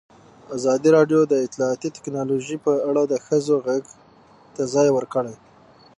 ازادي راډیو د اطلاعاتی تکنالوژي په اړه د ښځو غږ ته ځای ورکړی.